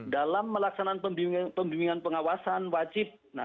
dalam melaksanakan pembimbingan pengawasan